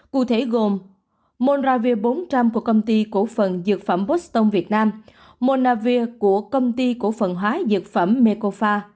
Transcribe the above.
cụ thể gồm monravir bốn trăm linh của công ty cổ phần dược phẩm botston việt nam monavir của công ty cổ phần hóa dược phẩm mekofa